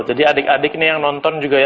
jadi adik adik nih yang nonton juga ya